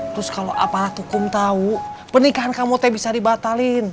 terus kalau aparat hukum tahu pernikahan kamu teh bisa dibatalin